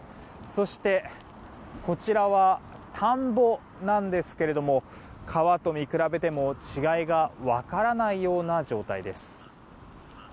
そして、こちらは田んぼなんですけれども川と見比べても違いが分からないような状態です。